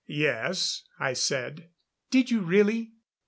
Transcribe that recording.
"Yes," I said. "Did you really?"